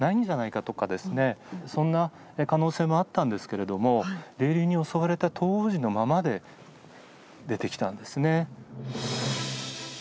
そんな可能性もあったんですけれども泥流に襲われた当時のままで出てきたんですね。